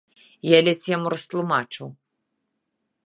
Я ледзь яму растлумачыў.